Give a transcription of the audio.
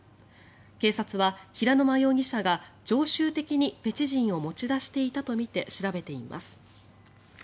警察は、平沼容疑者が常習的にペチジンを持ち出していたとみて調べています。